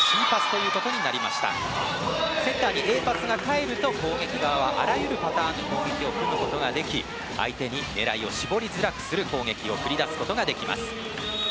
センターにＡパスが返ると攻撃側はあらゆるパターンで攻撃をすることができ相手に狙いを絞りづらくする攻撃を繰り出すことができます。